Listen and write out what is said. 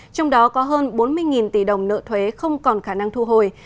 trong đó có hơn bốn mươi tỷ đồng nợ thuế không còn khả năng thu hồi